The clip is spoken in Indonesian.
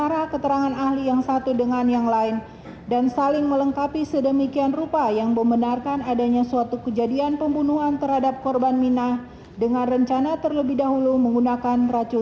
di persidangan telah diajukan dan diperlatkan alat surat